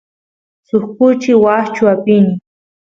suk kuchi washchu apini